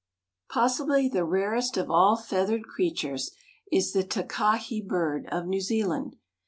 Possibly the rarest of all feathered creatures is the "takahe" bird of New Zealand.